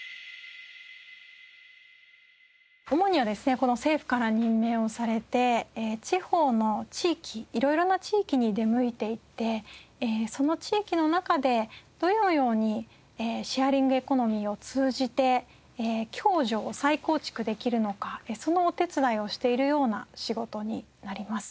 主にはですね政府から任命をされて地方の地域色々な地域に出向いていってその地域の中でどのようにシェアリングエコノミーを通じて共助を再構築できるのかそのお手伝いをしているような仕事になります。